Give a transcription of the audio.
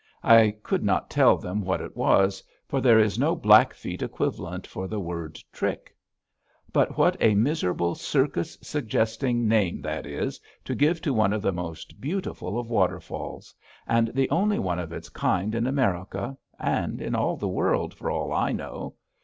I could not tell them what it was, for there is no Blackfeet equivalent for the word "Trick." But what a miserable, circus suggesting name that is to give to one of the most beautiful of waterfalls, and the only one of its kind in America, and in all the world, for all I know!